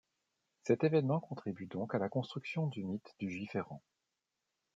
Cet événement contribue donc à la construction du mythe du Juif errant.